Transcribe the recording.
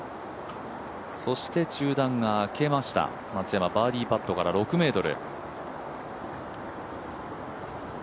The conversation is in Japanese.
そして中断が明けました松山バーディーパットから６ｍ。